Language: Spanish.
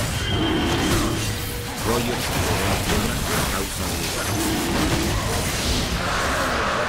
Rogers quedó en quiebra a causa de esto.